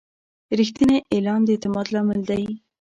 رښتینی اعلان د اعتماد لامل دی.